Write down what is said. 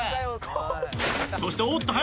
そしておっと！